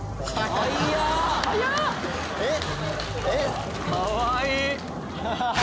かわいい！